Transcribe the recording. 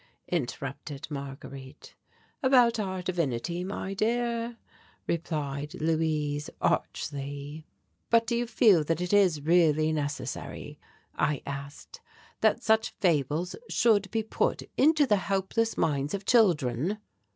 interrupted Marguerite. "About our divinity, my dear," replied Luise archly. "But do you feel that it is really necessary," I asked, "that such fables should be put into the helpless minds of children?"